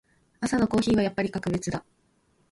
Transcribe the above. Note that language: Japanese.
朝のコーヒーはやっぱり格別だ。